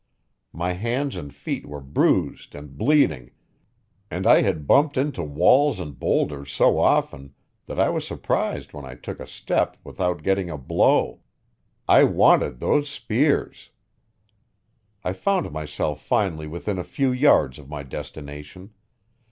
My hands and feet were bruised and bleeding, and I had bumped into walls and boulders so often that I was surprised when I took a step without getting a blow. I wanted those spears. I found myself finally within a few yards of my destination.